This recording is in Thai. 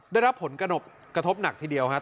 ได้รับผลกระทบหนักทีเดียวครับ